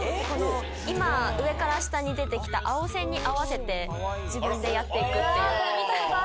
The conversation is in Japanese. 今上から下に出て来た青線に合わせて自分でやって行くっていう。